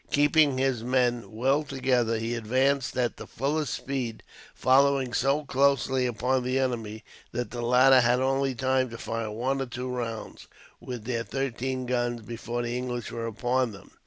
Keeping his men well together, he advanced at the fullest speed, following so closely upon the enemy that the latter had only time to fire one or two rounds, with their thirteen guns, before the English were upon them.